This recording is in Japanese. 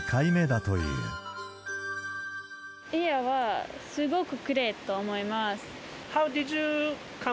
祖谷はすごくきれいと思います。